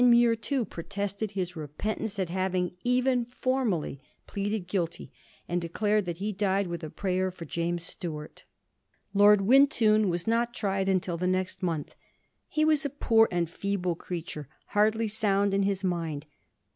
Kenmure, too, protested his repentance at having, even formally, pleaded guilty, and declared that he died with a prayer for James Stuart. Lord Wintoun was not tried until the next month. He was a poor and feeble creature, hardly sound in his mind.